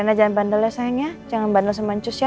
rena jangan bandel ya sayang ya jangan bandel sama cus ya